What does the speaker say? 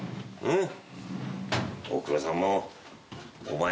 うん？